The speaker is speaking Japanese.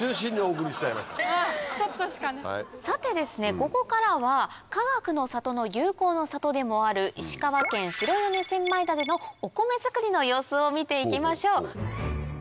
さてここからはかがくの里の友好の里でもある石川県白米千枚田でのお米づくりの様子を見て行きましょう。